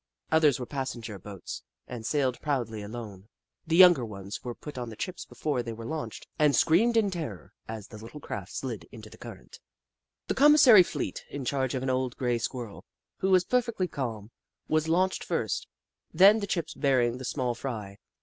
Others were passenger boats and sailed proudly alone. The young ones were put on the chips before they were launched, and screamed in terror as the little craft slid into the current. The commissary fleet, in charge of an old grey Squirrel, who was perfectly calm, was launched first, then the chips bearing the small fry.